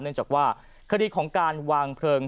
เนื่องจากว่าคดีของการวางเพลิง